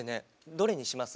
「どれにします？」